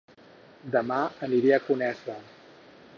Dema aniré a Conesa